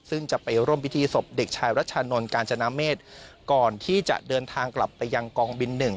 ซึ่งจะไปร่วมพิธีศพเด็กชายรัชชานนท์กาญจนาเมษก่อนที่จะเดินทางกลับไปยังกองบินหนึ่ง